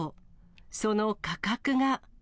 その価格が。